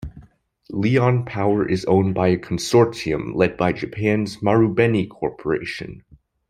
Lion Power is owned by a consortium led by Japan's Marubeni Corporation.